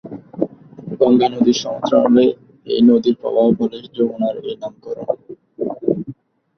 গঙ্গা নদীর সমান্তরালে এই নদীর প্রবাহ বলে যমুনার এই নামকরণ।